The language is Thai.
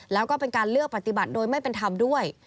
แล้วก็เป็นการเลือกปฏิบัติโดยไม่เป็นธรรมด้วย